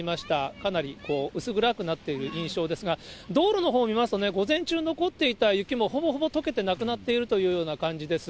かなり薄暗くなっている印象ですが、道路のほう見ますと、午前中残っていた雪もほぼほぼとけてなくなっているというような感じです。